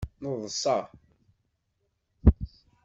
Neḍsa.